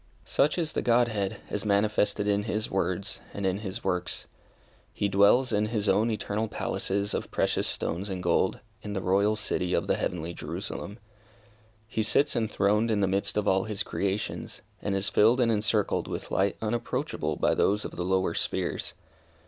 Such is the Godhead, as manifested in His words, and in His works. He dwells in His own eternal palaces of precious stones and gold, in the Royal City of the heavenly Jerusalem. He sits enthroned in the midst of all His creations, and is filled and encircled with light unapproachable by those of the lower spheres.